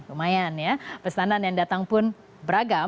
lumayan ya pesanan yang datang pun beragam